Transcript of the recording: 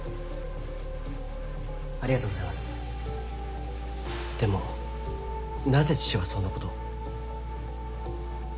ありがとうございますでもなぜ父はそんなことを？